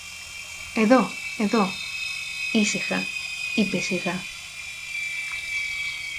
Εδώ, εδώ, ήσυχα, είπε σιγά.